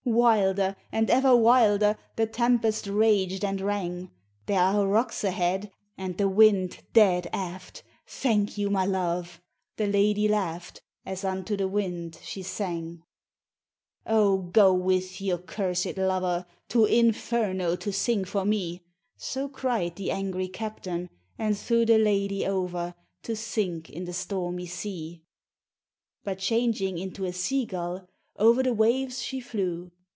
Wilder and ever wilder The tempest raged and rang, "There are rocks ahead, and the wind dead aft, Thank you, my love!" the lady laughed As unto the wind she sang. "Oh go with your cursed lover To inferno to sing for me!" So cried the angry captain, And threw the lady over To sink in the stormy sea. But changing into a sea gull Over the waves she flew.